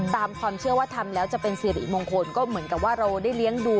ตามความเชื่อว่าทำแล้วจะเป็นสิริมงคลก็เหมือนกับว่าเราได้เลี้ยงดู